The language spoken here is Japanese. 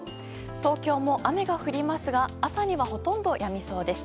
東京も雨が降りますが朝には、ほとんどやみそうです。